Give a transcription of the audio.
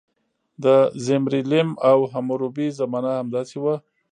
د زیمري لیم او حموربي زمانه همداسې وه.